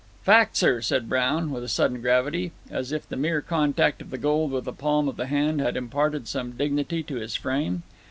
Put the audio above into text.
"Fact, sir," said Brown, with a sudden gravity, as if the mere contact of the gold with the palm of the hand had imparted some dignity to his frame.